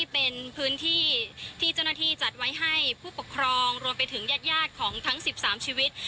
เป็นพื้นที่ที่เจ้าหน้าที่จัดไว้ให้ผู้ปกครองรวมไปถึงญาติของทั้ง๑๓ชีวิต